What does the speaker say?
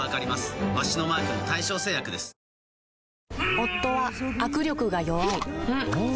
夫は握力が弱い